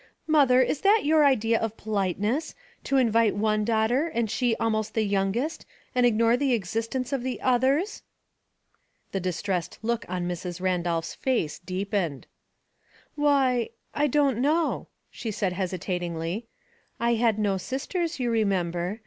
Mother, is that your idea of politeness — to invite one daughter, and she almost the youngest, and ignore the existence of the others ?" The distressed look on Mrs. Randolph's face deepened. Theory. 41 " Why, I don't know," she said, hesitatingly. "I had no sisters, you remember.